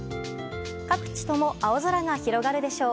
各地とも青空が広がるでしょう。